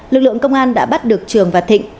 lực lượng công an đã bắt được trường và thịnh